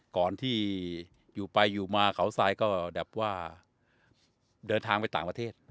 ก่อนที่อยู่ไปอยู่มาเขาทรายก็แบบว่าเดินทางไปต่างประเทศ